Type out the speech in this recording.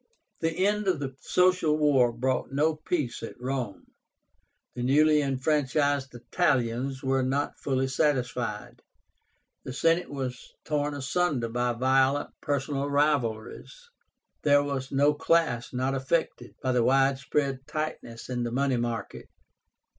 The end of the Social War brought no peace at Rome. The newly enfranchised Italians were not fully satisfied. The Senate was torn asunder by violent personal rivalries. There was no class not affected by the wide spread tightness in the money market.